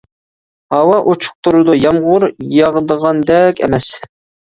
ھاۋا ئوچۇق تۇرىدۇ، يامغۇر ياغىدىغاندەك ئەمەس.